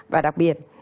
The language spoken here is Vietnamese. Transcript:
và đặc biệt